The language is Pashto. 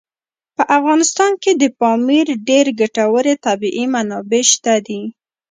په افغانستان کې د پامیر ډېرې ګټورې طبعي منابع شته دي.